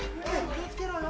気をつけろよ。